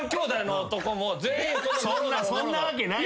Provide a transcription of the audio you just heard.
そんなわけないよ。